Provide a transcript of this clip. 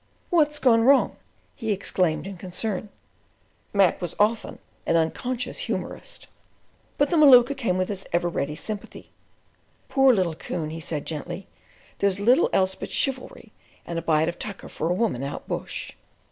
"What's gone wrong?" he exclaimed in concern. Mac was often an unconscious humorist. But the Maluka came with his ever ready sympathy. "Poor little coon," he said gently, "there's little else but chivalry and a bite of tucker for a woman out bush."